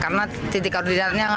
karena titik koordinatnya ngacak ya